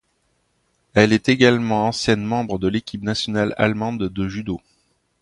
Elle est également ancienne membre de l’équipe nationale allemande de Judo.